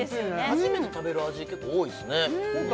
初めて食べる味結構多いですねね